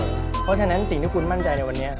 เพราะฉะนั้นสิ่งที่คุณมั่นใจในวันนี้